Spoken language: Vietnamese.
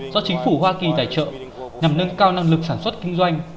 do chính phủ hoa kỳ tài trợ nhằm nâng cao năng lực sản xuất kinh doanh